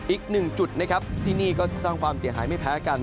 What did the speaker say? อีก๑จุดที่นี่ก็สร้างความเสียหายไม่แพ้กัน